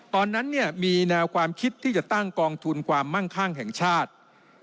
ตอนนั้นเนี่ยมีแนวความคิดที่จะตั้งกองทุนความมั่งข้างแห่งชาติ